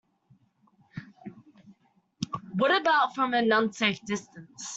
What about from an unsafe distance?